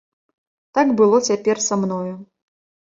Так было цяпер са мною.